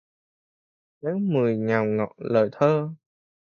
Tháng mười ngào ngọt lời thơ